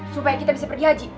supaya kita bisa pergi haji